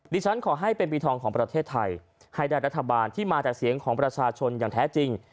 ฉันขอให้เป็นปีทองของประเทศไทยให้ได้รัฐบาลที่มาแต่เสียงของประชาชนอย่างแท้จริง